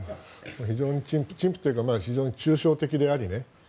非常に陳腐というか非常に抽象的でありね。